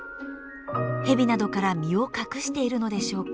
ヘビなどから身を隠しているのでしょうか。